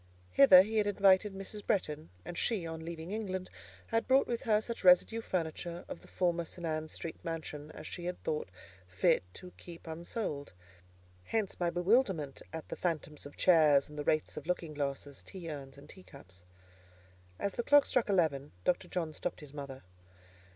Hither he had invited Mrs. Bretton, and she, on leaving England, had brought with her such residue furniture of the former St. Ann's Street mansion as she had thought fit to keep unsold. Hence my bewilderment at the phantoms of chairs, and the wraiths of looking glasses, tea urns, and teacups. As the clock struck eleven, Dr. John stopped his mother.